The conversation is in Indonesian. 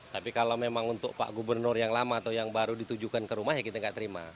tapi kalau memang untuk pak gubernur yang lama atau yang baru ditujukan ke rumah ya kita nggak terima